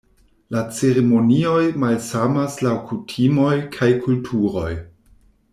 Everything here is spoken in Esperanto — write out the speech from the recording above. La ceremonioj malsamas laŭ kutimoj kaj kulturoj.